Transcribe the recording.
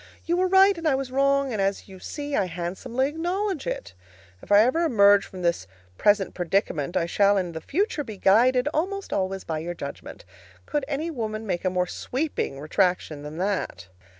You were right, and I was wrong, and, as you see, I handsomely acknowledge it. If I ever emerge from this present predicament, I shall in the future be guided (almost always) by your judgment. Could any woman make a more sweeping retraction than that?